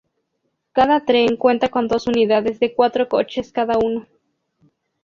Cada tren cuenta con dos unidades de cuatro coches cada uno.